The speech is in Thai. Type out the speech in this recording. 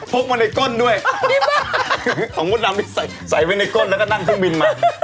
พกมาในก้นด้วยของมดน้ำไปใส่ใส่ไปในก้นแล้วก็นั่งขึ้นบินมา